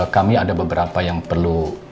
kami ada beberapa yang perlu